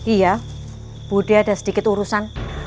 iya budi ada sedikit urusan